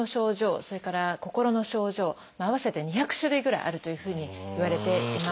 それから心の症状合わせて２００種類ぐらいあるというふうにいわれています。